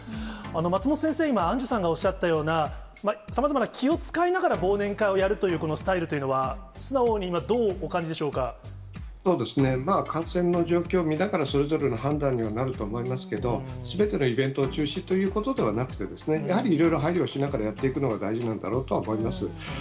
松本先生、今、アンジュさんがおっしゃったような、さまざまな気を遣いながら忘年会をやるというこのスタイルというのは、素直に今、どうお感じそうですね、感染の状況を見ながら、それぞれの判断にはなると思いますけど、すべてのイベントを中止ということではなくて、やはりいろいろ配慮しながらやっていくのが大事なんだろうとは思います。